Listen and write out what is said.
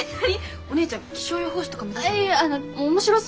お姉ちゃん気象予報士とか目指すの？